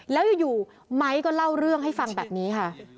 แล้วอยู่ไมค์ก็เล่าเรื่องให้ฟังแบบนี้ค่ะ